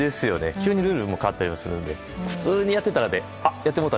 急にルールが変わったりするので普通にやってたらやってもうた！